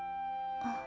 あ。